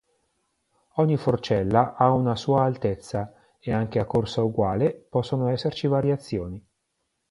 Ogni forcella ha una sua altezza, e anche a corsa uguale, possono esserci variazioni.